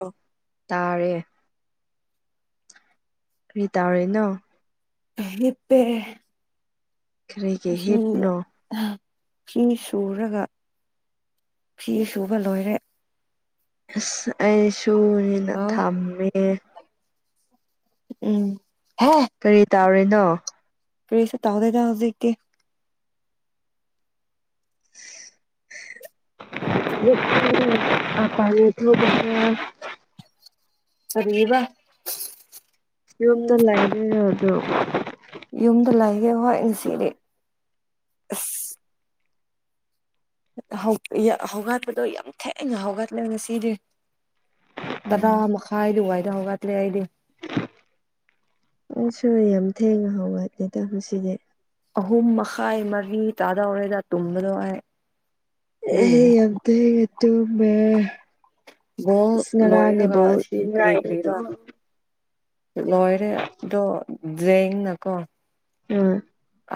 ꯑ ꯇꯥꯔꯦ ꯀꯔꯤ ꯇꯥꯔꯦꯅꯣ ꯑꯄꯦ ꯀꯔꯤꯒꯤ ꯍꯤꯞꯅꯣ ꯐ ꯐꯤ ꯁꯨꯔꯒ ꯐꯤ ꯁꯨꯕ ꯂꯣꯏꯔꯦ ꯑꯁ ꯑꯩꯁꯨꯅꯦꯅ ꯎꯝ ꯊꯝꯃꯦ ꯎꯝ ꯍꯥ ꯀꯔꯤ ꯇꯧꯔꯤꯅꯣ ꯀꯔꯤꯁ ꯇꯗꯦꯗ ꯍꯧꯖꯤꯛꯦ ꯄꯥꯏ ꯐꯔꯤꯕ ꯌꯨꯝꯗ ꯂꯩꯔꯦ ꯑ ꯌꯨꯝꯗ ꯂꯩꯒꯦ ꯍꯣꯏ ꯅꯨꯡꯁꯤꯔ ꯑꯁ ꯍꯧꯒꯠꯄꯗꯣ ꯌꯥꯝ ꯊꯦꯡꯅ ꯍꯧꯒꯠꯂꯦ ꯉꯁꯤꯗꯤ ꯇꯗꯥ ꯃꯈꯥꯗꯨ ꯋꯥꯏꯗ ꯍꯧꯒꯠꯂꯦ ꯑꯩꯗꯤ ꯎ ꯁ ꯌꯥꯝ ꯊꯦꯡꯅ ꯍꯧꯒꯠꯂꯤꯦꯇ ꯁꯤꯗꯤ ꯑꯍꯨꯝ ꯃꯈꯥꯏ ꯃꯔꯤ ꯇꯥꯗꯧꯔꯦꯗ ꯇꯨꯝꯕꯗꯣ ꯍꯥꯏ ꯑꯦ ꯌꯥꯝꯗ ꯇꯃꯦ ꯕꯣꯜ ꯏꯁ ꯂꯣꯏꯔꯒ ꯁꯤ ꯉꯔꯥꯡꯅꯦꯕꯣꯅꯨꯡꯉꯥꯏ ꯂꯣꯏꯔꯦꯗꯣ ꯌꯦꯦꯡꯅꯀꯣ ꯎꯝ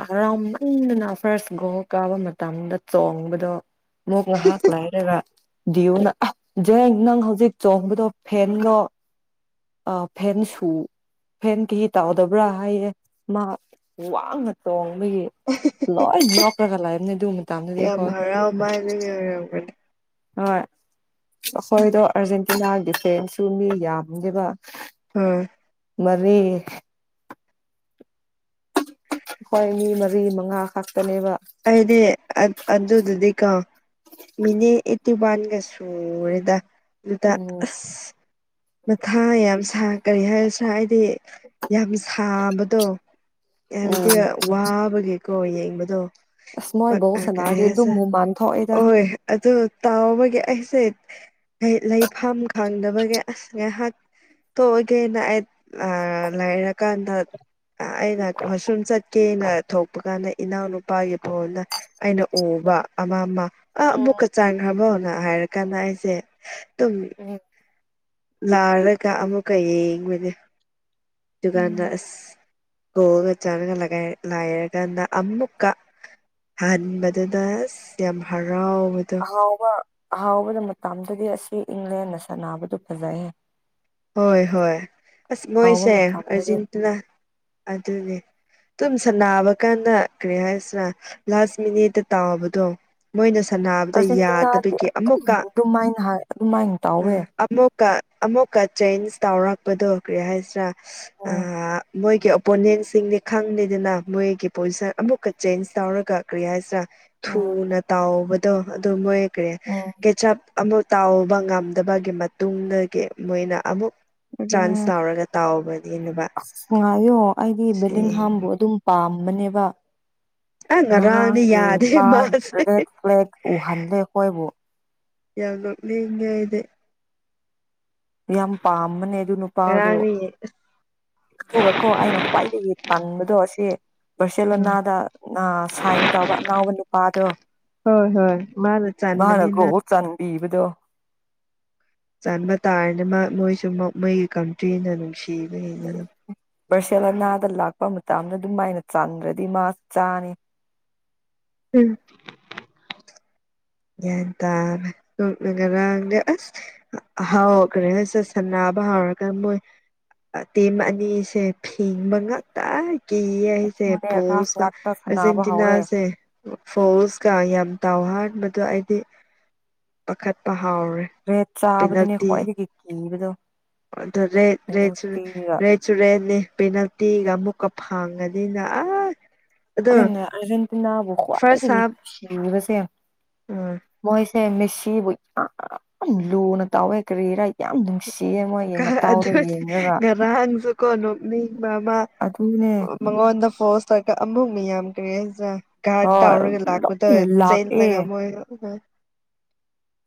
ꯍꯔꯥꯎꯃꯟꯗꯅ ꯐꯥꯔꯁ ꯒꯣ ꯀꯥꯕ ꯃꯇꯝꯗ ꯆꯣꯡꯕꯗꯣ ꯃꯣꯒꯂ ꯍꯥꯥꯛꯂ ꯍꯥꯏꯔꯒ ꯗꯤꯌꯨꯅ ꯖꯦꯡ ꯅꯪ ꯍꯧꯖꯤꯛ ꯆꯣꯡꯕꯗꯣ ꯐꯦꯟꯒꯣ ꯑ ꯐꯦꯟꯁꯨ ꯐꯦꯟ ꯀꯍꯤ ꯇꯥꯎꯗꯕ꯭ꯔꯥ ꯍꯥꯏꯌꯦ ꯃꯥ ꯋꯥꯡꯅ ꯇꯣꯡꯕꯒꯤ ꯂꯣꯏ ꯂꯦꯄꯔꯒ ꯂꯩꯕꯅꯤ ꯑꯗꯨ ꯃꯇꯝꯗꯗꯤ ꯌꯥꯝ ꯈꯣꯏ ꯍꯔꯥꯎ ꯃꯥꯟꯕꯒꯤ ꯑꯣꯏꯔꯝꯒꯅꯤ ꯍꯣꯏ ꯑꯩꯈꯣꯏꯗꯣ ꯑꯥꯔꯖꯦꯟꯇꯤꯅꯥꯒꯤꯗꯤꯐꯦꯟꯁꯨ ꯃꯤ ꯌꯥꯝ ꯖꯕ ꯎꯝ ꯃꯔꯤ ꯍꯣꯏ ꯃꯤ ꯃꯔꯤ ꯃꯉꯥ ꯈꯛꯇꯅꯦꯕ ꯑꯩꯅꯦ ꯑꯗꯨ ꯑꯗꯨꯗꯤ ꯀꯣ ꯃꯤꯅꯦ ꯑꯩꯠꯇꯤ ꯋꯥꯟꯒ ꯁꯨꯔꯦꯗ ꯑꯗꯨꯗ ꯎꯝ ꯑꯁ ꯃꯊꯥ ꯌꯥꯝ ꯁꯥ ꯀꯔꯤ ꯍꯥꯏꯔꯁꯤ꯭ꯔꯥ ꯍꯥꯏꯗꯤ ꯌꯥꯝ ꯁꯥꯕꯗꯣ ꯍꯥꯏꯕꯗꯤ ꯎꯝ ꯋꯥꯕꯒꯦꯀꯣ ꯌꯦꯡꯕꯗꯣ ꯑꯁ ꯃꯣꯏ ꯕꯣꯜ ꯁꯥꯟꯅꯔꯗꯤ ꯑꯗꯨꯝ ꯀꯔꯤꯦꯁ ꯍꯨꯃꯥꯟ ꯊꯣꯛꯑꯦꯗ ꯑꯍꯣꯏ ꯑꯗꯨ ꯇꯥꯎꯕꯒꯤ ꯑꯩꯁꯦ ꯂꯩꯐꯝ ꯈꯪꯗꯕꯒꯤ ꯑꯁ ꯉꯥꯏꯍꯥꯛ ꯇꯑꯣꯒꯦꯅ ꯑꯩ ꯂꯥꯏꯔꯀꯥꯟꯗ ꯑꯩꯅ ꯃꯁꯨꯝ ꯆꯠꯀꯦꯅ ꯊꯣꯛꯄ ꯀꯥꯟꯗ ꯏꯅꯥꯎꯅꯨꯄꯥ ꯣꯅ ꯑꯩꯅ ꯎꯕ ꯑꯃ ꯑꯃ ꯑꯃꯨꯛ ꯎꯝ ꯆꯥꯡꯈ꯭ꯔꯕꯣꯅ ꯍꯥꯏꯔ ꯀꯥꯟꯗ ꯑꯩꯁꯦ ꯑꯗꯨꯨꯝ ꯎꯝ ꯂꯥꯔꯒ ꯑꯃꯨꯛꯀ ꯌꯦꯡꯕꯅꯦ ꯎꯝ ꯀꯥꯟꯗ ꯑꯁ ꯀꯣꯒ ꯆꯥꯅꯒꯂ ꯂꯥꯏꯔꯒꯅ ꯑꯃꯨꯀ ꯍꯟꯕꯗꯨꯗ ꯌꯥꯝ ꯍꯔꯥꯎꯕꯗ ꯑꯍꯥꯎꯕ ꯑꯍꯥꯎꯕꯗ ꯃꯇꯝꯗꯗꯤ ꯑꯁꯤ ꯏꯪꯂꯦꯟꯅ ꯁꯥꯟꯅꯕꯗꯨ ꯐꯖꯩꯌꯦꯦ ꯍꯣꯏ ꯍꯣꯏ ꯑꯁ ꯍꯥꯎꯕ ꯃꯣꯏꯁꯦ ꯃꯇꯝꯗꯗꯤ ꯑꯔꯖꯤꯦꯟꯇꯤꯅꯥ ꯑꯗꯨꯅꯦ ꯑꯗꯨꯨꯝ ꯁꯅꯥꯕ ꯀꯥꯟꯗ ꯀꯔꯤ ꯍꯥꯏꯁꯤꯔ ꯂꯥꯁ ꯃꯤꯅꯤꯠꯇ ꯇꯥꯎꯕꯗꯣ ꯃꯣꯏꯅ ꯁꯥꯟꯅꯕꯗ ꯑꯥꯔꯖꯦꯟꯇꯤꯅꯥꯗꯤ ꯌꯥꯗꯕꯒꯤ ꯑꯃꯨꯛꯀ ꯑꯗꯨꯃꯥꯏꯅ ꯍꯥꯏ ꯑꯗꯨꯃꯥꯏꯅ ꯇꯧꯋꯦ ꯑꯥ ꯑꯃꯨꯛꯀ ꯑꯃꯨꯛꯀ ꯆꯦꯟꯖ ꯇꯧꯔꯛꯄꯗꯣ ꯀꯔꯤ ꯍꯥꯏꯁꯤꯔꯥ ꯎꯝ ꯃꯣꯏꯒꯤ ꯑꯣꯄꯣꯅꯦꯟꯁꯤꯡꯗꯤ ꯈꯪꯗꯦꯗꯅ ꯃꯣꯏꯒꯤ ꯄꯣꯖꯤꯁꯟ ꯑꯃꯨꯛꯀ ꯆꯦꯟꯖ ꯇꯧꯔꯒ ꯀꯔꯤ ꯍꯥꯏꯁꯤꯔꯥ ꯎꯝ ꯊꯨꯅ ꯇꯥꯎꯕꯗꯣ ꯑꯗꯨ ꯃꯣꯏ ꯀꯔꯤ ꯎꯝ ꯀꯦꯆꯞ ꯑꯃꯨꯛ ꯇꯥꯎꯕ ꯉꯝꯗꯕꯒꯤ ꯃꯇꯨꯡꯗꯒꯤ ꯃꯣꯏꯅ ꯑꯃꯨꯛ ꯆꯥꯟꯁ ꯇꯧꯔꯒ ꯇꯥꯎꯕꯅꯦꯕ ꯑꯁ ꯉꯥꯏꯌꯣ ꯑꯩꯗꯤ ꯕꯤꯂꯤꯟꯒꯥꯝ ꯕꯨ ꯑꯗꯨꯝ ꯄꯥꯝꯕꯅꯦꯕ ꯑ ꯉꯔꯥꯡꯗꯤ ꯉꯔꯥꯡꯒꯤ ꯌꯥꯗꯦ ꯃꯥ ꯃꯥꯁꯦ ꯔꯦꯠ ꯐ꯭ꯂꯦꯛ ꯎꯍꯜꯂꯦ ꯑꯩꯈꯣꯏꯕꯨ ꯌꯥꯝ ꯅ‌ꯣꯛꯅꯤꯡꯉ‌ꯦ ꯑꯩꯗꯤ ꯌꯥꯝ ꯄꯥꯝꯕꯅꯦ ꯑꯗꯨ ꯅꯨꯄꯥꯗꯣ ꯉꯔꯥꯡꯗꯤ ꯑꯗꯨꯒꯀꯣ ꯑꯩꯅ ꯈ꯭ꯋꯥꯏꯗꯒꯤ ꯇꯟꯕꯗꯣ ꯑꯁ‌ꯦ ꯎꯝ ꯕꯥꯔꯁꯦꯂꯣꯅꯥꯗ ꯅ ꯁꯥꯏꯟ ꯇꯧꯕ ꯑꯅꯧꯕ ꯅꯨꯄꯥꯗꯣ ꯍꯣꯏ ꯃꯥꯅ ꯆꯥꯟꯕꯅꯤꯅ ꯏꯕꯗꯣ ꯆꯟꯕ ꯇꯥꯔꯅꯤ ꯃꯣꯏꯁꯨ ꯃꯣꯏꯒꯤ ꯀꯟꯇ꯭ꯔꯤꯅ ꯅꯨꯡꯁꯤꯕ ꯍ‌ꯦꯜꯂꯤ ꯕꯥꯔꯁꯦꯂ‌ꯣꯅꯥꯗ ꯂꯥꯛꯄ ꯃꯇꯝꯗ ꯑꯗꯨ ꯃꯥꯏꯅ ꯆꯥꯟꯗ꯭ꯔꯗꯤ ꯃꯥ ꯆꯥꯅꯤ ꯎꯝ ꯒꯌꯥꯟ ꯇꯥꯅ ꯇꯨꯝꯃ‌ꯦ ꯉꯔꯥꯡꯗꯤ ꯑꯁ ꯍꯥꯎ ꯀꯔꯤ ꯍꯥꯏ ꯁꯠꯁꯟ ꯅꯥꯕ ꯍꯥꯎꯔꯀꯥꯟ ꯃꯣꯏ ꯑ ꯇꯦꯝ ꯑꯅꯤꯁꯦ ꯐꯦꯡꯕ ꯉꯇꯥꯏ ꯀꯤꯌ‌ꯦ ꯑꯩ ꯁꯦ ꯍꯥꯐ ꯄꯣꯁ ꯅ ꯉꯥꯛꯇ ꯁꯥꯟꯅꯕ ꯑꯔꯖꯦꯟꯇꯤꯅꯥ ꯍꯧꯔꯦ ꯑꯁꯦ ꯐꯣꯜꯁꯀ ꯌꯥꯝ ꯇꯥꯎꯍꯕꯗꯣ ꯑꯩꯗꯤ ꯄꯥꯈꯠꯄ ꯍꯥꯎꯔꯦ ꯔꯦꯠ ꯆꯥꯕꯗꯨꯅꯦ ꯈ꯭ꯋꯥꯏꯗꯒꯤ ꯀꯤꯕꯗꯣ ꯑꯗꯨꯗ ꯔꯦꯠ ꯔꯦꯠ ꯁꯨ ꯄꯦꯅꯥꯜꯇꯤꯒ ꯔꯦꯠ ꯆꯨꯔꯦ ꯄꯦꯅꯥꯜꯇꯤꯒ ꯑꯃꯨꯛꯀ ꯐꯪꯉꯒꯅꯤꯅ ꯑ ꯑꯩꯅ ꯑꯔꯖꯦꯟꯇꯤꯅꯥꯕꯨ ꯐꯥꯔꯁ ꯈꯋꯥꯏꯗꯒꯤ ꯍꯥꯞ ꯅꯨꯡꯁꯤꯔꯤꯕꯁꯦ ꯎꯝ ꯃꯣꯏꯁ ꯁꯦ ꯃꯦꯁꯤꯕꯨ ꯌꯥꯝ ꯂꯨꯅ ꯇꯧꯋꯦ ꯀꯔꯤꯔꯥ ꯌꯥꯝ ꯅꯨꯡꯁꯤꯌꯦ ꯃꯣꯏ ꯑꯗꯨꯗꯤ ꯉꯔꯥꯡꯁꯨ ꯀꯣ ꯅꯣꯛꯅꯤꯡꯕ ꯃ ꯑꯗꯨꯅꯦ ꯃꯉꯣꯟꯗ ꯐꯣꯁ ꯇꯧꯒ ꯑꯃꯨꯛ ꯃꯤ ꯌꯥꯝ [unintelligible] ꯒꯔꯥꯠ ꯍꯣꯏ ꯍꯧꯔꯒ ꯂꯥꯛꯄꯗ‌ꯣ ꯂꯣꯏꯅ ꯆꯦꯟꯅ ꯂꯥꯛꯑꯦ ꯒ [unintelligible]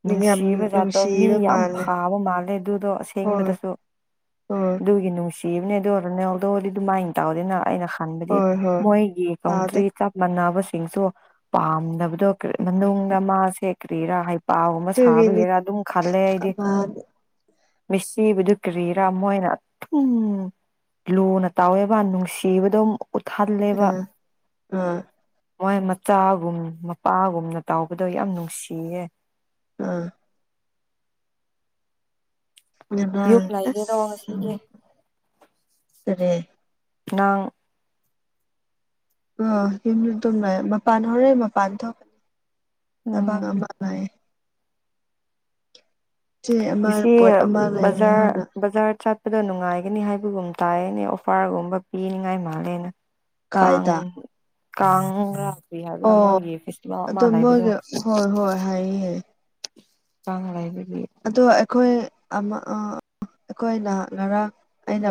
ꯅꯨꯡꯁꯤꯕ ꯖꯥꯠꯇꯣ ꯃꯤ ꯌꯥꯝ ꯃꯥꯜꯂꯦ ꯐꯥꯕ ꯃꯥꯜꯂꯦ ꯑꯗꯨꯗꯣ ꯍꯣꯏ ꯑꯁꯦꯡꯕꯗꯁꯨ ꯍꯣꯏ ꯑꯗꯨꯒꯤ ꯅꯨꯡꯁꯤꯕꯅꯦ ꯑꯗꯨ ꯔ‌ꯣꯅꯥꯜꯗ‌ꯣꯗꯤ ꯑꯗꯨ ꯃꯥꯏꯅ ꯇꯧꯗꯦꯅ ꯑꯩꯅ ꯈꯥꯟꯕꯗꯤ ꯍꯣꯏ ꯍꯣꯏ ꯃꯣꯏꯒꯤ ꯇꯥꯗꯦ ꯀꯥꯎꯟꯇ꯭ꯔꯤ ꯀꯞ ꯃꯥꯟꯅꯕꯁꯤꯡꯁꯨ ꯄꯥꯝꯗꯕꯗꯣ ꯃꯅꯨꯡꯗ ꯃꯥꯁꯦ ꯀꯔꯤꯔꯥ ꯍꯥꯏ ꯄꯥꯎ ꯑꯃ ꯑꯗꯨꯒꯤꯅꯤ ꯁꯥꯕꯒꯤꯔ ꯑꯗꯨꯝ ꯈꯜꯂꯦ ꯑꯩꯗꯤ ꯑꯃꯗꯤ ꯃꯁꯤꯕꯗꯨ ꯀ꯭ꯔꯤꯔꯥ ꯃꯣꯏꯅ [unintelligible] ꯂꯨꯅ ꯇꯥꯎꯋꯦꯕ ꯅꯨꯡꯁꯤꯕꯗ ꯎꯠꯍꯜꯂꯦꯕ ꯑꯥ ꯑꯥ ꯃꯣꯏ ꯃꯆꯥꯒꯨꯝ ꯃꯄꯥꯒꯨꯝꯅ ꯇꯥꯎꯕꯗꯣ ꯌꯥꯝ ꯅꯨꯡꯁꯤꯌꯦ ꯑ ꯌꯨꯝ ꯉꯔꯥꯡ ꯂꯩꯔꯤꯔꯣ ꯑꯁ ꯉꯁꯤꯗꯤ ꯀꯔꯤ ꯅꯪ ꯑ ꯌꯨꯝꯗ ꯇꯨꯝꯃ‌ꯦ ꯃꯄꯥꯟ ꯍꯧꯔꯟ ꯃꯄꯥꯟ ꯊꯣꯛ ꯎꯝ [unintelligible] ꯆꯦ ꯑꯃ ꯁꯤ ꯄꯣꯠ ꯑꯃ ꯕꯖꯥꯔ ꯂꯩꯕꯤꯌꯣꯅ ꯕꯖꯥꯔ ꯆꯠ ꯑꯗꯣ ꯅꯨꯡꯉꯥꯏꯒꯅꯤ ꯍꯥꯏꯕꯒꯨꯝ ꯇꯥꯏꯌꯦꯅꯦ ꯑꯣꯐꯥꯔꯒꯨꯝꯕ ꯄꯤꯅꯤꯉꯥꯏ ꯃꯥꯜꯂꯦꯅ ꯀꯥꯡ ꯀꯥꯏꯗ ꯀꯥꯡ ꯔꯥꯇ꯭ꯔꯤ ꯍꯥꯏꯕ꯭ꯔꯥ ꯑꯣ ꯃꯣꯏꯒꯤ ꯐꯦꯁꯇꯤꯚꯦꯜ ꯑꯥꯃ ꯑꯗꯣ ꯂ‌ꯩꯕꯗꯣ ꯃꯣꯏꯒꯤ ꯍꯣꯏ ꯍꯣꯏ ꯍꯥꯏꯌꯦ ꯀꯥꯡ ꯂꯩꯕꯒꯤ ꯑꯗꯣ ꯑꯩꯈꯣꯏ ꯑꯃ ꯑ ꯑꯩꯈꯣꯏꯅ ꯉꯔꯥꯡ ꯑꯩꯅ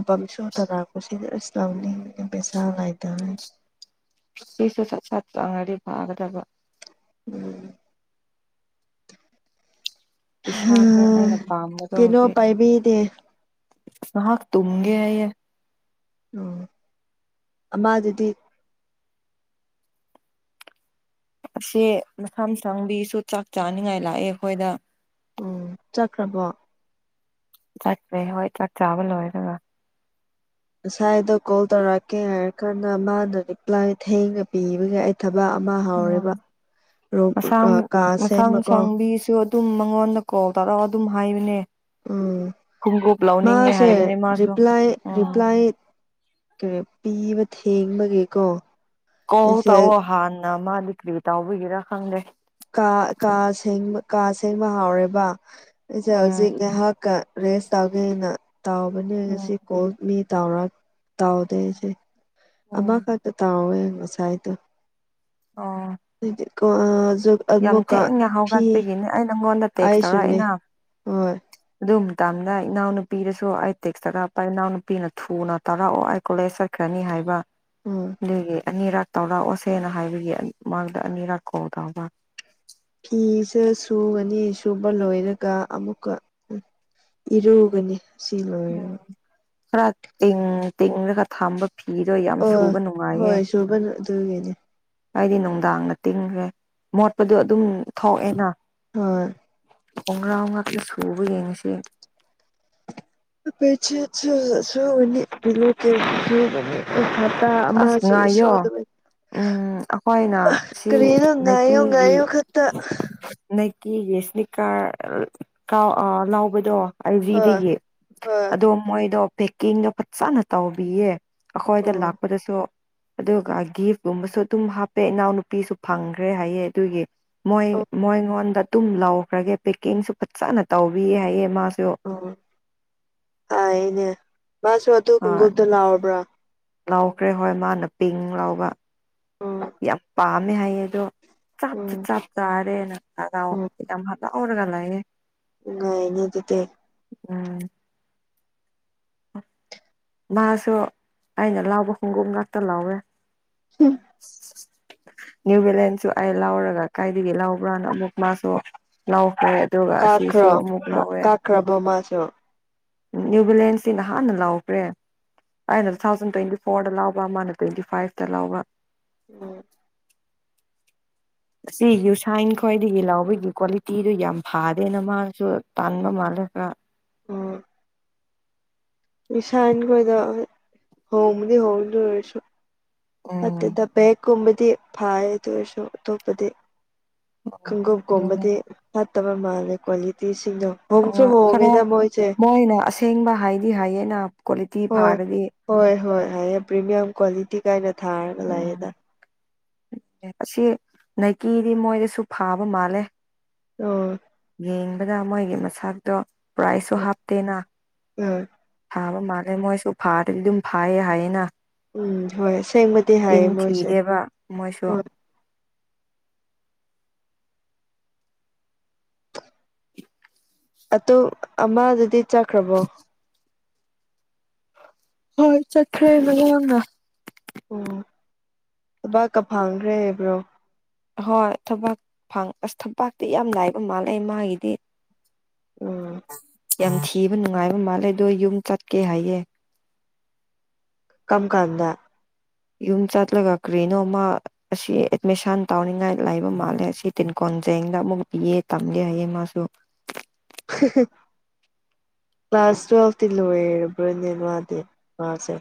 [unintelligible] ꯐꯤꯁꯨ ꯁꯠ ꯁꯠ ꯆꯪꯉꯗꯤ ꯐꯥꯒꯗꯕ ꯎꯝ ꯇꯤꯁꯔꯥꯠꯅꯦ ꯑꯩꯅ ꯄꯥꯝꯕꯗꯣ ꯀꯩꯅꯣ ꯍꯧꯖꯤꯛ ꯄꯥꯏꯕꯤꯗꯦ ꯉꯍꯥꯛ ꯇꯨꯝꯒ‌‌ꯦ ꯌ‌ꯦ ꯎꯝ ꯑꯃꯗꯨꯗꯤ ꯑꯦ ꯃꯁꯝ ꯁꯪꯕꯤꯁꯨ ꯆꯥꯛ ꯆꯥꯅꯤꯡꯉꯥꯏ ꯂꯥꯛꯑꯦ ꯑꯩꯈꯣꯏꯗ ꯎꯝ ꯆꯠꯈ꯭ꯔꯕꯣ ꯆꯠꯄ꯭ꯔꯦ ꯍꯣꯏ ꯆꯥꯛ ꯆꯥꯕ ꯂꯣꯏꯔꯒ ꯉꯁꯥꯏꯗꯣ ꯀꯣꯜ ꯇꯧꯔꯛꯀꯦ ꯍꯥꯏꯔ ꯀꯥꯟꯗ ꯃꯥꯅ ꯔꯤꯄ꯭ꯂꯥꯏ ꯊꯦꯡꯅ ꯄꯤꯕꯒꯦ ꯊꯕꯛ ꯑꯃ ꯎꯝ ꯍꯥꯎꯔꯦꯕ ꯔ ꯀꯥ ꯁꯦꯡꯕꯀꯣ ꯃꯤꯁꯦ ꯑꯗꯨꯝ ꯃꯉꯣꯟꯗ ꯀꯣꯜ ꯇꯧꯔꯒ ꯑꯗꯨꯝ ꯍꯥꯏꯕꯅꯦ ꯎꯝ ꯈꯣꯡꯎꯞ ꯂꯧꯅꯤꯡꯉꯦ ꯃꯥꯁꯦ ꯍꯥꯏꯕꯅꯦ ꯃꯥꯁꯨ ꯔꯤꯄ꯭ꯂꯥꯏ ꯎꯝ ꯔꯤꯄ꯭ꯂꯥꯏ ꯄꯤꯕ ꯊꯦꯡꯕꯒꯦꯀꯣ ꯀꯣꯜ ꯇꯧꯑꯣ ꯍꯥꯟꯅ ꯃꯥꯗꯤ ꯀ꯭ꯔꯤ ꯇꯥꯎꯕꯤꯒꯦꯔꯥ ꯈꯪꯗꯦ ꯀꯥ ꯁꯦꯡꯕ ꯍꯥꯎꯔꯦꯕ ꯑꯩꯁꯦ ꯎꯝ ꯍꯧꯖꯤꯛ ꯉꯥꯏꯍꯥꯛꯀ ꯔꯦꯁ ꯇꯧꯒꯦ ꯑꯩꯅ ꯇꯥꯎꯕꯅꯦ ꯎꯝ ꯉꯁꯤ ꯀꯣꯜ ꯃꯤ ꯇꯥꯎꯗꯦꯁꯦ ꯎꯝ ꯑꯃꯈꯛꯇ ꯇꯥꯎꯋꯦ ꯉꯁꯥꯏꯗꯣ ꯑꯣ ꯀꯣ ꯌꯥꯝ ꯊꯦꯡꯅ ꯍꯧꯒꯠꯄꯒꯤꯅꯦ ꯑꯩ ꯅꯪꯉꯣꯟꯗ ꯇꯦꯛꯁ ꯑꯩꯁꯨꯅꯦ ꯇꯧꯔꯛꯏꯅ ꯍꯣꯏ ꯑꯗꯨ ꯃꯇꯝꯗ ꯏꯅꯥꯎ ꯅꯨꯄꯤꯗꯁꯨ ꯑꯩ ꯇꯦꯛꯁ ꯇꯥꯔꯛꯄ ꯏꯅꯥꯎꯅꯨꯄꯤꯅ ꯊꯨꯅ ꯇꯥꯔꯛꯑꯣ ꯑꯩ ꯀꯣꯂꯦꯖ ꯆꯠꯈ꯭ꯔꯅꯤ ꯍꯥꯏꯕ ꯎꯝ ꯑꯗꯨꯒꯤ ꯑꯅꯤꯔꯥꯥꯛ ꯇꯧꯔꯥꯛꯑꯣꯁꯦꯅ ꯍꯥꯏꯕꯒꯤ ꯃꯥꯥꯡꯗ ꯑꯅꯤꯔꯥꯛ ꯀꯧ ꯇꯕ ꯐꯤꯁꯦ ꯁꯨꯔꯅꯤ ꯁꯨꯕ ꯂꯣꯏꯔꯒ ꯑꯃꯨꯛꯀ ꯎ ꯏꯔꯨꯒꯅꯤ ꯈꯔ ꯇꯤꯡ ꯇꯤꯦꯔꯒ ꯊꯥꯝꯕ ꯐꯤꯗꯣ ꯌꯥꯝ ꯑ ꯁꯨꯕ ꯅꯨꯡꯉꯥꯏꯌꯦ ꯍꯣꯏ ꯁꯨꯕꯅ ꯑꯗꯨꯒꯤꯅꯤ ꯑꯩꯗꯤ ꯅꯨꯡꯗꯥꯡꯗ ꯇꯤꯡꯈ꯭ꯔꯦ ꯃꯣꯠꯄꯗꯣ ꯑꯗꯨꯝ ꯊꯣꯛꯑꯦꯅ ꯎꯝ ꯑꯉꯥꯡ ꯉꯥꯛꯇ ꯁꯨꯕꯒꯤ ꯉꯁꯤ [unintelligible] ꯍꯄꯇ ꯑꯁ ꯑꯃꯁꯨ ꯉꯥꯏꯌꯣ ꯁꯣꯏꯗ꯭ꯔꯦ ꯎꯝ ꯑꯩꯈꯣꯏꯅ ꯁꯤ ꯉꯥꯏꯌꯣ ꯂꯩꯀꯤꯒꯤ ꯉꯥꯏꯌꯣ ꯈꯛꯇ ꯅꯪꯀꯤꯒꯤꯁꯂꯤꯛꯀꯥꯔ ꯀꯥꯎ ꯂꯥꯎꯕꯗꯣ ꯍꯣꯏ ꯑꯜꯖꯤꯗꯒꯤ ꯍꯣꯏ ꯑꯗꯣ ꯃꯣꯏꯗꯣ ꯄꯦꯛꯀꯤꯡꯗꯣ ꯐꯖꯅ ꯇꯧꯕꯤꯌꯦ ꯑꯈꯣꯏꯗ ꯎꯝ ꯂꯥꯛ ꯑꯗꯨꯒ ꯒꯤꯐꯀꯨꯝꯕꯁꯨ ꯑꯗꯨꯝ ꯍꯥꯞꯄꯦ ꯏꯅꯥꯎꯅꯨꯄꯤꯁꯨ ꯐꯪꯈ꯭ꯔꯦ ꯍꯥꯏꯌꯦ ꯑꯗꯨꯒꯤ ꯃꯣꯏ ꯎꯝ ꯃꯣꯏꯉꯣꯟꯗ ꯑꯗꯨꯝ ꯂꯧꯈ꯭ꯔꯒꯦ ꯄꯦꯛꯀꯤꯡꯁꯨ ꯐꯖꯅ ꯇꯧꯕꯤ ꯍꯥꯏꯌꯦ ꯃꯥꯁꯨ ꯑꯣ ꯍꯥꯏꯅꯦ ꯃꯥꯁꯨ ꯑꯗꯨꯒꯨꯝꯕ ꯂꯥꯎꯔꯕ꯭ꯔꯥ ꯂꯥꯎꯈ꯭ꯔꯦ ꯍꯣꯏ ꯃꯥꯅ ꯄꯤꯡ ꯂꯥꯎꯕ ꯎꯝ ꯌꯥꯝ ꯄꯥꯝꯃꯦ ꯍꯥꯏꯌꯦ ꯑꯗꯣ ꯆꯞꯁꯨ ꯎꯝ ꯆꯞ ꯆꯥꯔꯦ ꯅ ꯍꯔꯥꯎ ꯎꯝ ꯌꯥꯝ ꯍꯂꯥꯎꯑꯣ ꯑꯣꯔꯒ ꯅꯥꯌꯦ ꯅꯨꯡꯉꯥꯏꯅꯦ ꯑꯗꯨꯗꯤ ꯎꯝ ꯑ [unintelligible] ꯃꯥꯁꯨ ꯑꯩꯅ ꯂꯥꯎꯕ ꯈꯣꯡꯒꯣꯝ ꯉꯥꯛꯇ ꯂꯥꯎꯋꯦ ꯍꯝ ꯅ꯭ꯌꯨ ꯚꯂꯦꯟꯁꯨ ꯑꯩ ꯂꯧꯎꯔꯒ ꯀꯥꯏꯗꯒꯤ ꯂꯧꯕ꯭ꯔꯥꯅ ꯑꯃꯨꯛ ꯃꯥꯁꯨ ꯂꯧꯈꯦ ꯑꯗꯨꯒ ꯑꯁꯤꯁꯨ ꯑꯃꯨꯛ ꯂꯧꯋꯦ ꯀ꯭ꯔꯕꯣ ꯃꯥꯁꯣ ꯅ꯭ꯌꯨ ꯚꯂꯦꯟꯁꯤꯅꯇꯤ ꯅꯍꯥꯟꯅ ꯂꯥꯎꯈ꯭ꯔꯦ ꯑꯩꯅ ꯊ ꯇꯣꯏꯟꯇꯤ ꯐꯣꯔꯗ ꯂꯥꯎꯕ ꯃꯥꯅ ꯇꯣꯏꯟꯇꯤ ꯐꯥꯏꯚꯇ ꯂꯥꯎꯕ [unintelligible] ꯑꯁꯤ ꯌꯨꯁꯥꯏꯟ ꯈ꯭ꯋꯥꯏꯗꯒꯤ ꯂꯥꯎꯕꯒꯤ ꯀ꯭ꯋꯥꯂꯤꯇꯤꯗꯨ ꯌꯥꯝ ꯐꯥꯗꯦꯅ ꯃꯥꯁꯨ ꯇꯥꯟꯕ ꯃꯥꯜꯂꯒ ꯎꯝ ꯕꯤꯁꯥꯟ ꯈꯣꯏꯗꯣ ꯍꯣꯡꯕꯗꯤ ꯍꯣꯡ ꯑꯗꯨ ꯑꯣꯏꯔꯁꯨ ꯎꯝ ꯐꯇꯦꯗ ꯕꯦꯒ ꯈꯨꯕꯗꯤꯦ ꯐꯥꯏ ꯑꯗꯨꯑꯣꯏꯁꯨ ꯑꯇꯣꯞꯄꯗꯤ ꯈꯣꯡꯎꯞ ꯑꯗꯨꯅꯦ ꯀꯣꯝꯕꯗꯤ ꯐꯠꯇꯕ ꯃꯥꯜꯂꯦ ꯀ꯭ꯋꯥꯂꯤꯇꯤꯁꯤꯡꯗꯣ ꯍꯣꯡꯁꯨ ꯍꯣꯏ ꯈꯔ ꯍꯣꯡꯉꯦꯗ ꯃꯣꯏꯁꯦ ꯃꯣꯏꯅ ꯑꯁꯦꯡꯕ ꯍꯥꯏꯗꯤ ꯍꯥꯏꯌꯦꯅ ꯀ꯭ꯋꯥꯂꯤꯇꯤ ꯍꯣꯏ ꯐꯥꯔꯗꯤ ꯍꯣꯏ ꯍꯣꯏ ꯍꯥꯏꯌꯦ ꯄ꯭ꯔꯤꯃꯤꯌꯝ ꯀ꯭ꯋꯥꯂꯤꯇꯤ ꯀꯥꯏꯅ ꯊꯥꯔꯒ ꯎꯝ ꯂꯩꯥꯛꯌꯦꯗ ꯑꯁꯤ ꯅꯥꯏꯀꯤꯗꯤ ꯃꯣꯏꯗꯁꯨ ꯐꯥꯕ ꯃꯥꯜꯂꯦ [unintelligible] ꯌꯦꯡꯕꯗ ꯃꯣꯏꯒꯤ ꯃꯁꯥꯛꯇꯣ ꯄ꯭ꯔꯥꯏꯖꯁꯨ ꯍꯥꯞꯇꯦꯅ ꯑ ꯐꯥꯕ ꯃꯥꯜꯂꯦ ꯃꯣꯏꯁꯨ ꯐꯥꯗꯗꯤ ꯑꯗꯨꯝ ꯐꯥꯏꯌꯦ ꯍꯥꯏꯌꯦꯅ ꯎꯝ ꯍꯣꯏ ꯑꯁꯦꯡꯕꯗꯤ ꯍꯥꯏꯌꯦ ꯃꯣꯏꯁꯦ ꯃꯥꯏꯁꯨ ꯍꯣꯏ ꯑꯗꯨ ꯑꯃꯗꯨꯗꯤ ꯆꯠꯈ꯭ꯔꯕꯣ ꯍꯣꯏ ꯆꯠꯈ꯭ꯔꯦ ꯃꯥꯅꯨꯋꯥꯡꯅ ꯑꯣ ꯊꯕꯛꯀ ꯐꯪꯒ꯭ꯔꯦ ꯍꯥꯏꯕ꯭ꯔꯣ ꯍꯣꯏ ꯊꯕꯛ ꯐꯪ ꯑꯁ ꯊꯕꯛꯇꯤ ꯌꯥꯝ ꯂꯥꯏꯕ ꯃꯥꯜꯂꯦ ꯃꯥꯒꯤꯗꯤ ꯎꯝ ꯌꯥꯝ ꯊꯤꯕ ꯅꯨꯡꯉꯥꯏꯕ ꯃꯥꯜꯂꯦ ꯑꯗꯣ ꯌꯨꯝ ꯆꯠꯀꯦ ꯍꯥꯏꯌꯦ ꯀꯝ ꯀꯥꯟꯗ ꯌꯨꯝ ꯆꯠꯂꯒ ꯀꯔꯤꯅꯣ ꯃꯥ ꯑꯁꯤ ꯑꯦꯠꯃꯤꯁꯟ ꯇꯧꯅꯤꯡꯉꯥꯏ ꯂꯩꯕ ꯃꯥꯜꯂꯦ ꯑꯁꯤ ꯇꯤꯟꯀꯣꯟꯖꯦꯡꯗ ꯑꯃꯨꯛꯀ ꯕꯤꯑꯦ ꯇꯝꯒꯦ ꯍꯥꯏꯌꯦ ꯃꯥꯁꯨ ꯀ꯭ꯂꯥꯁ ꯇꯨꯋꯦꯜꯐꯇꯤ ꯂꯣꯏꯔꯕ꯭ꯔꯅꯦ ꯃꯥꯗꯤ ꯃꯥꯁꯦ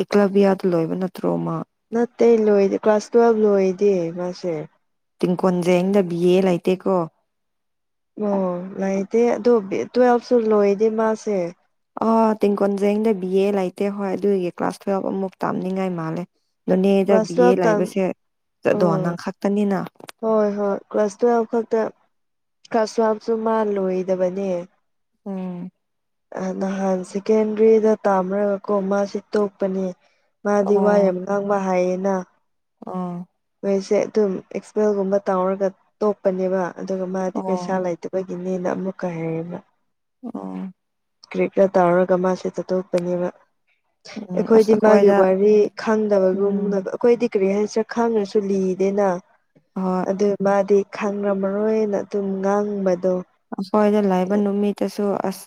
ꯑꯦꯀ꯭ꯂꯥꯕꯤꯌꯥꯗ ꯂꯣꯏꯕ ꯅꯠꯇ꯭ꯔꯣ ꯃꯥ ꯅꯠꯇꯦ ꯂꯣꯏꯔꯦ ꯀ꯭ꯂꯥꯁ ꯇꯨꯌꯦꯜ ꯂꯣꯏꯗꯦ ꯃꯥꯁꯦ ꯇꯤꯡꯀꯣꯟꯖꯦꯡꯗ ꯕꯤ ꯑꯦ ꯂꯩꯇꯦꯀꯣ ꯑꯣ ꯂꯩꯇꯦ ꯑꯗꯣ ꯇꯨꯋꯦꯜꯁꯨ ꯂꯣꯏꯗꯦ ꯃꯥꯁꯦ ꯑꫭ ꯇꯦꯡꯀꯣꯟꯖꯦꯡꯗ ꯕꯤ ꯑꯦ ꯂꯩꯇꯦ ꯍꯣꯏ ꯑꯗꯨꯒꯤ ꯀ꯭ꯂꯥꯁ ꯇꯨꯋꯦꯜꯕ ꯑꯃꯨꯛ ꯇꯥꯝꯅꯤꯡꯉꯥꯏ ꯃꯥꯜꯂꯦ ꯅꯣꯅꯦꯗ ꯀ꯭ꯂꯥꯁ ꯕꯤ ꯑꯦ ꯇꯨꯌꯦꯜꯞ ꯇꯝ ꯂꯩꯕꯁꯦ ꯆꯠꯗꯣ ꯎꯝ ꯅꯪ ꯈꯛꯇꯅꯤꯅ ꯍꯣꯏ ꯍꯣꯏ ꯀ꯭ꯂꯥꯁ ꯇꯨꯋꯦꯜꯕ ꯈꯛꯇ ꯀ꯭ꯂꯥꯁ ꯇꯨꯋꯦꯜꯕꯁꯨ ꯃꯥ ꯂꯣꯏꯗꯕꯅꯦ ꯎꯝ ꯑꯥ ꯅꯍꯥꯟ ꯁꯦꯀꯦꯟꯗ꯭ꯔꯤꯗ ꯇꯥꯝꯔꯒꯀꯣ ꯃꯥꯁꯦ ꯇꯣꯛꯄꯅꯦ ꯃꯥꯗꯤ ꯋꯥ ꯑꯣ ꯌꯥꯝ ꯉꯥꯡꯕ ꯍꯩꯌꯦꯅ ꯑꯣ ꯃꯣꯏꯁꯦ ꯑꯗꯨꯝ ꯑꯦꯛꯁꯄꯦꯜꯒꯨꯝꯕ ꯇꯧꯔꯒ ꯇꯣꯛꯄꯅꯦꯕ ꯑꯗꯨꯒ ꯃꯥꯗꯤ ꯑꯣ ꯄꯩꯁꯥ ꯂꯩꯇ ꯑꯩꯈꯣꯏꯒꯤꯅꯦꯅ ꯑꯃꯨꯛꯀ ꯍꯥꯏꯔꯕꯥ ꯑꯣ ꯀ꯭ꯔꯤꯛꯀ ꯇꯧꯔꯒ ꯃꯥꯁꯦ ꯇꯠꯊꯣꯛꯄꯅꯦꯕ ꯎꯝ ꯑꯁ ꯑꯩꯈꯣꯏꯗꯤ ꯃꯥꯒꯤ ꯑꯩꯈꯣꯏꯗ ꯋꯥꯔꯤ ꯎꯝ ꯈꯪꯗꯕꯒꯨꯝꯅꯕ ꯑꯩꯈꯣꯏꯗꯤ ꯀ꯭ꯔꯦ ꯍꯥꯏꯁꯤꯔ ꯈꯪꯉꯁꯨ ꯂꯤꯗꯦꯅ ꯍꫭꯏ ꯑꯗꯨ ꯃꯥꯗꯤ ꯈꯥꯡꯔꯝꯃꯔꯣꯏꯅ ꯑꯗꯨꯝ ꯉꯥꯡꯕꯗꯣ ꯑꯩꯈꯣꯏꯗ ꯂꯩꯕ ꯅꯨꯃꯤꯠꯇꯁꯨ ꯑꯁ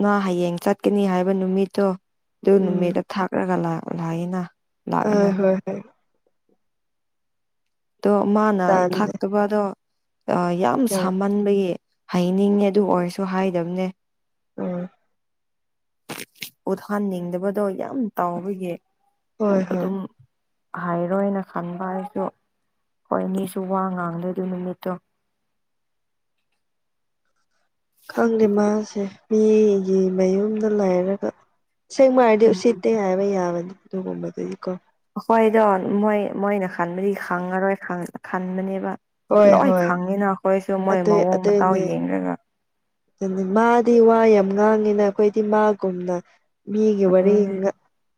ꯅꯪ ꯍꯌꯦꯡ ꯆꯠꯀꯅꯤ ꯍꯥꯏꯕ ꯅꯨꯃꯤꯠꯇꯣ ꯑꯗꯨ ꯎꯝ ꯅꯨꯃꯤꯠꯇꫭ ꯊꯥꯛꯑꯥꯒ ꯂꯥꯛ ꯂꯥꯛꯏꯅ ꯑ ꯂꯥꯛꯏꯅ ꯍꯣꯏ ꯍꯣꯏ ꯑꯗꯣ ꯃꯥꯅ ꯇꯥꯜꯂꯦ ꯊꯥꯛꯇꯕꯗꯣ ꯌꯥꯝ ꯁꯥꯃꯟꯕꯒꯤ ꯍꯩꯅꯤꯡꯉꯦ ꯑꯗꯨ ꯑꯣꯏꯔꯁꯨ ꯍꯥꯏꯗꯕꯅꯦ ꯎꯝ ꯎꯠꯍꯥꯟꯅꯤꯡꯗꯕꯗꯣ ꯌꯥꯝ ꯇꯥꯎꯕꯒꯤ ꯍꯣꯏ ꯍꯣꯏ ꯑꯗꯨꯝ ꯍꯥꯏꯔꯣꯏꯅ ꯈꯟꯕ ꯑꯩꯁꯨ ꯍꯣꯏ ꯃꯤꯁꯨ ꯋꯥ ꯉꯥꯡꯗꯦ ꯑꯗꯨ ꯅꯨꯃꯤꯠꯇꯣ ꯈꯪꯗꯦ ꯃꯥꯁꯦ ꯃꯤꯒꯤ ꯃꯌꯨꯝꯗ ꯂꯩꯥꯏꯔꯒ ꯁꯦꯡꯕ ꯍꯥꯏꯔꯗꯤ ꯎꯝ ꯎꯁꯤꯠꯇꯦ ꯍꯥꯏꯕ ꯌꯥꯕꯅꯤ ꯑꯗꯨꯒꯨꯝꯕꯗꯒꯤ ꯀꯣ ꯑꯈꯣꯏꯗꯣ ꯃꯣꯏ ꯃꯣꯏꯅ ꯈꯟꯕꯗꯤ ꯈꯪꯉꯔꯣꯏ ꯈꯟꯕꯅꯦꯕ ꯍꯣꯏ ꯂꯣꯏ ꯍꯣꯏ ꯈꯪꯉꯤꯅ ꯑꯩꯈꯣꯏꯁꯨ ꯃꯣꯏ ꯑꯗꯨꯏ ꯃꯑꯣꯡ ꯃꯇꯥꯎ ꯌꯦꯡꯂꯡꯒ ꯗꯨꯅꯦ ꯃꯥꯗꯤ ꯋꯥ ꯌꯥꯝ ꯉꯥꯡꯉꯤꯅ ꯑꯈꯣꯏꯗꯤ ꯃꯥꯒꯨꯝꯅ ꯃꯤꯒꯤ ꯑꯗꯨꯅꯦ ꯋꯥꯔꯤꯅꯤꯅ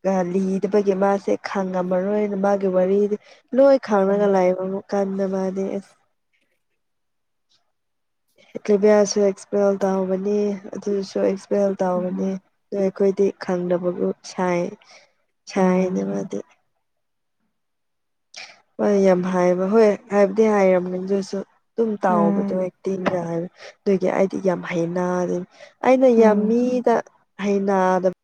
ꯒꯂꯤꯗꯕꯒꯤ ꯃꯥꯁꯦ ꯈꯥꯡꯉꯝꯃꯔꯣꯏꯅ ꯃꯥꯒꯤ ꯋꯥꯔꯤꯗꯤ ꯂꯣꯏ ꯈꯥꯡꯔꯒ ꯎꯝ ꯂꯩꯕꯕꯨ ꯀꯥꯟꯅꯕꯗꯤ ꯑꯁ ꯑꯦꯀ꯭ꯂꯥꯚꯤꯌꯥꯁꯨ ꯑꯦꯛꯁꯄꯦꯜ ꯇꯧꯕꯅꯤ ꯑꯗꯨꯁꯨ ꯑꯦꯛꯁꯄꯦꯜ ꯇꯥꯕꯅꯤ ꯎꯝ ꯑꯩꯈꯣꯏꯗꯤ ꯈꯪꯗꯕꯕꯨ ꯁꯥꯏ ꯁꯥꯏꯅꯦ ꯎꯝ ꯃꯥꯗꯤ ꯍꯣꯏ ꯌꯥꯝ ꯍꯥꯏꯌꯦꯕ ꯍꯣꯏ ꯍꯥꯏꯕꯗꯤ ꯍꯥꯏꯔꯕꯅꯤ ꯑꯗꯨꯁꯨ ꯑꯗꯨꯝ ꯇꯥꯎꯕꯗꯣ ꯎꯝ ꯑꯦꯛꯇꯤꯡꯒ ꯍꯥꯏꯕ ꯅꯣꯏꯒꯤ ꯑꯩꯗꯤ ꯌꯥꯝ ꯍꯩꯅ ꯑꯩꯅ ꯌꯥꯝ ꯎꯝ ꯃꯤꯗ ꯍꯩꯅꯗꯕ